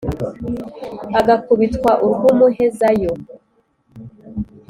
Agakubitwa urw’umuhezayo*,